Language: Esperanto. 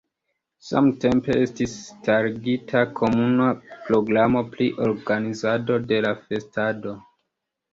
Samtempe estis starigita komuna programo pri organizado de la festado.